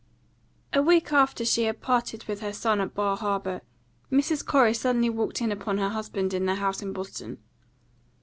A WEEK after she had parted with her son at Bar Harbour, Mrs. Corey suddenly walked in upon her husband in their house in Boston.